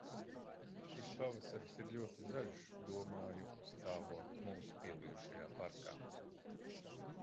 Šis pavasaris ir ļoti zaļš, domāju, stāvot mūsu pielijušajā parkā.